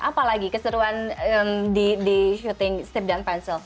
apalagi keseruan di syuting steve dan prancil